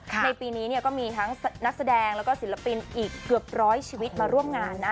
ในปีนี้ก็มีทั้งนักแสดงแล้วก็ศิลปินอีกเกือบร้อยชีวิตมาร่วมงานนะ